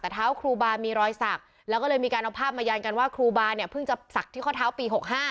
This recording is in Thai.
แต่เท้าครูบามีรอยสักแล้วก็เลยมีการเอาภาพมายันกันว่าครูบาเนี่ยเพิ่งจะศักดิ์ที่ข้อเท้าปี๖๕